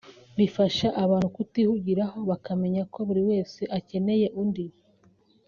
bifasha abantu kutihugiraho bakamenya ko buri wese akeneye undi